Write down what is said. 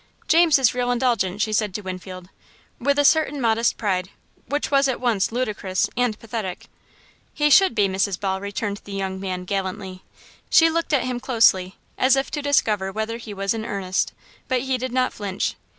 "James is real indulgent," she said to Winfield, with a certain modest pride which was at once ludicrous and pathetic. "He should be, Mrs. Ball," returned the young man, gallantly. She looked at him closely, as if to discover whether he was in earnest, but he did not flinch.